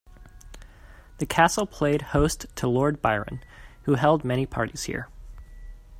The castle played host to Lord Byron, who held many parties here.